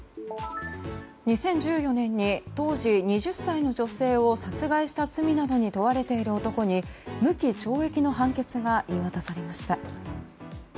２０１４年に当時２０歳の女性を殺害した罪などに問われている男に無期懲役の判決が言い渡されました。